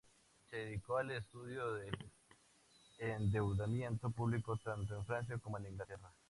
Se dedicó al estudio del endeudamiento público tanto en Francia como en Inglaterra.